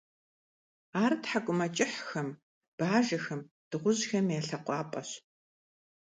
Ар тхьэкӀумэкӀыхьхэм, бажэхэм, дыгъужьхэм я лъэкъуапӀэщ.